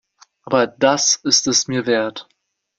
Aber das ist es mir wert.